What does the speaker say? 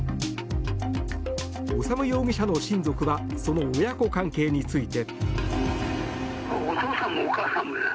修容疑者の親族はその親子関係について。